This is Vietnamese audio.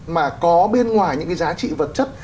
mà có bên ngoài những cái giá trị vật chất